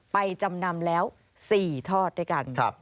จำนำแล้ว๔ทอดด้วยกัน